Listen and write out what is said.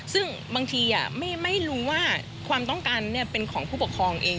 ซึ่งบางทีไม่รู้ว่าความต้องการเป็นของผู้ปกครองเอง